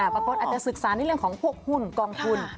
บางคนอาจจะศึกษาในเรื่องของพวกหุ้นกองทุน